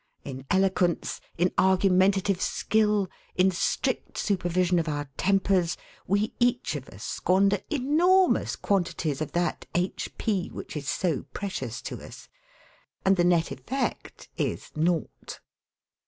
In eloquence, in argumentative skill, in strict supervision of our tempers, we each of us squander enormous quantities of that h. p. which is so precious to us. And the net effect is naught.